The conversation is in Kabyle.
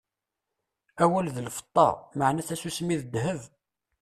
Awal d lfeṭṭa, meɛna tasusmi d ddheb.